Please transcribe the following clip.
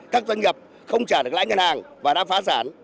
các doanh nghiệp không trả được lãi ngân hàng và đã phá sản